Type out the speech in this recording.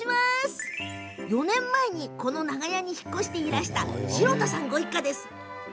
４年前にこの長屋に引っ越していらした城田さんご一家です。